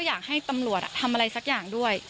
อยากให้ตำรวจทำอะไรสักอย่างด้วย